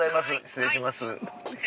失礼します。